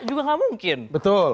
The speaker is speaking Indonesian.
juga gak mungkin betul